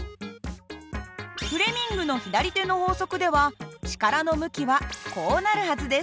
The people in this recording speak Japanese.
フレミングの左手の法則では力の向きはこうなるはずです。